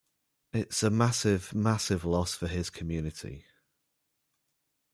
It's a massive, massive loss for his community.